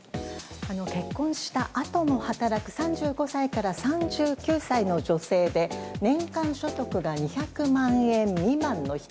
結婚したあとも働く３５歳から３９歳の女性で年間所得が２００万円未満の人。